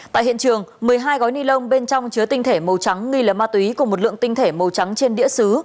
tại hiện trường một mươi hai gói ni lông bên trong chứa tinh thể màu trắng nghi là ma túy cùng một lượng tinh thể màu trắng trên đĩa xứ